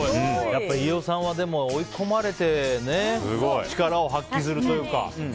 やっぱり飯尾さんは追い込まれて力を発揮するというか。